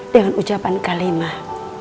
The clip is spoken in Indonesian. dengan ucapan kalimah